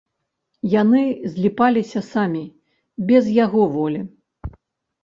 Яны зліпаліся самі, без яго волі.